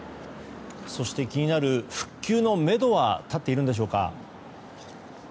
そして気になる復旧のめどは立っているのでしょうか。